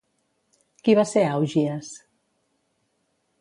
Qui va ser Augies?